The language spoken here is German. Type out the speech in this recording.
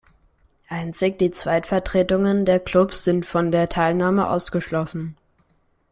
Einzig die Zweitvertretungen der Clubs sind von der Teilnahme ausgeschlossen.